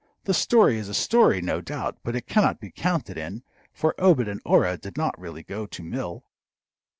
"The story is a story, no doubt, but it can not be counted in, for Obed and Orah did not really go to mill."